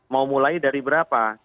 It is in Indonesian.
mau mulai dari berapa